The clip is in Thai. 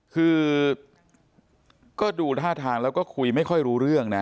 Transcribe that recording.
คือก็ดูท่าทางแล้วก็คุยไม่ค่อยรู้เรื่องนะ